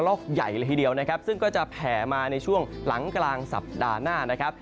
อกใหญ่เลยทีเดียวนะครับซึ่งก็จะแผ่มาในช่วงหลังกลางสัปดาห์หน้านะครับ